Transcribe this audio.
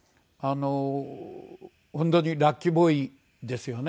本当にラッキーボーイですよね。